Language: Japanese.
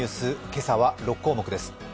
今朝は６項目です。